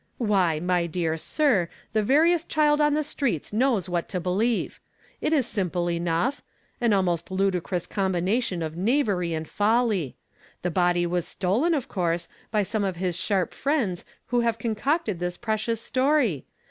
" Why, my dear sir, the veriest child on the streets knows what to believe. It is simple enough. An almost ludicrous combination of knavery and folly. The body was stolen, of coui se, by some of his sharp friends who have concocted this precious story.